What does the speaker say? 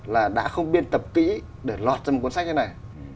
là đã không biên tập kỹ để lọt ra một cuốn sách như thế này